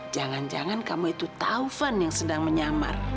jangan jangan kamu itu taufan yang sedang menyamar